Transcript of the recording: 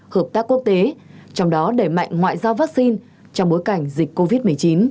hợp tác quốc tế trong đó đẩy mạnh ngoại giao vaccine trong bối cảnh dịch covid một mươi chín